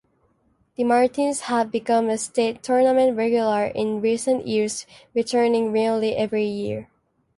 The Martins have become a state tournament regular in recent years-returning nearly every year.